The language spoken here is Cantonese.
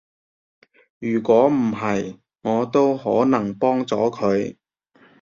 如果唔係，我都可能幫咗佢